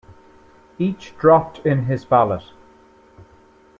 Each dropped in his ballot.